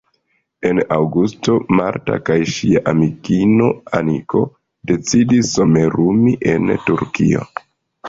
En aŭgusto Marta kaj ŝia amikino Aniko decidis somerumi en Turkio.